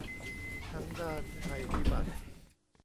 ทั้งด้านภัยพิบัติ